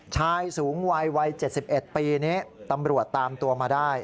ชายสูงวัยวัย๗๑ปีนี้ตำรวจตามตัวมาได้